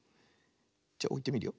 じゃおいてみるよ。